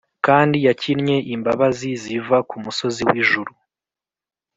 kandi yakinnye imbabazi ziva kumusozi wijuru.